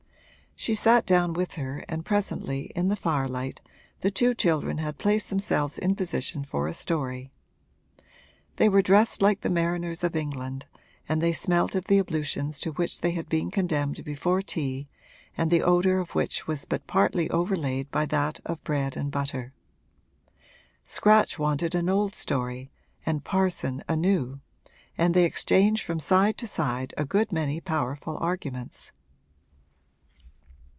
She sat down with her and presently, in the firelight, the two children had placed themselves in position for a story. They were dressed like the mariners of England and they smelt of the ablutions to which they had been condemned before tea and the odour of which was but partly overlaid by that of bread and butter. Scratch wanted an old story and Parson a new, and they exchanged from side to side a good many powerful arguments.